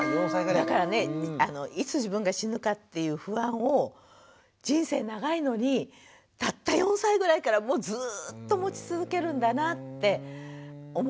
だからねいつ自分が死ぬかっていう不安を人生長いのにたった４歳ぐらいからもうずっと持ち続けるんだなって思うのね。